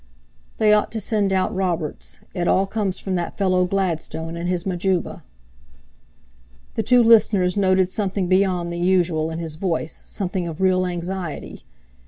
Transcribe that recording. "They ought to send out Roberts. It all comes from that fellow Gladstone and his Majuba." The two listeners noted something beyond the usual in his voice, something of real anxiety.